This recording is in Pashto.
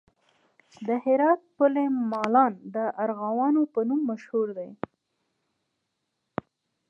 د هرات پل مالان د ارغوانو په نوم مشهور دی